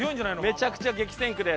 めちゃくちゃ激戦区です。